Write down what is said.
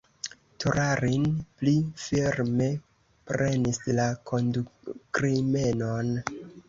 Torarin pli ﬁrme prenis la kondukrimenon.